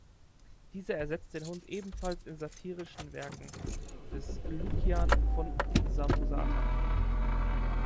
Dieser ersetzt den Hund ebenfalls in satirischen Werken des Lukian von Samosata.